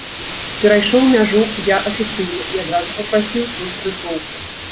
Перайшоў мяжу я афіцыйна і адразу папрасіў тут прытулку.